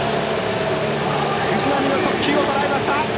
藤浪の速球をとらえました！